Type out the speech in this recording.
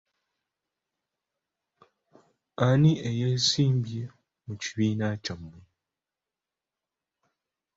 Ani eyasembye mu kibiina kyammwe?